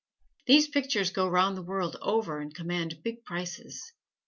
These pictures go the round world over and command big prices.